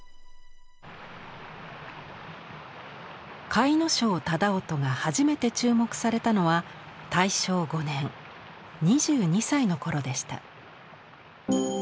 甲斐荘楠音が初めて注目されたのは大正５年２２歳の頃でした。